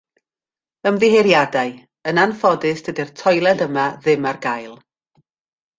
Ymddiheuriadau, yn anffodus, dydi'r toiled yma ddim ar gael.